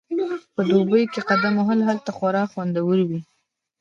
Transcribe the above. په دوبي کې قدم وهل هلته خورا خوندور وي